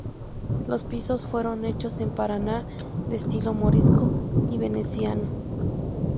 Los pisos fueron hechos en Paraná de estilo morisco y veneciano.